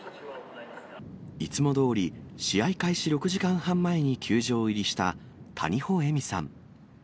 いつもどおり試合開始６時間半前に球場入りした谷保恵美さん。